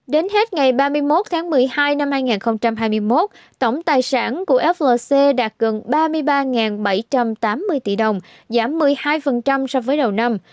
đến hết ngày ba mươi một tháng một mươi hai năm hai nghìn hai mươi một tổng tài sản của flc đạt gần ba mươi ba bảy trăm tám mươi tỷ đồng giảm một mươi hai so với đầu năm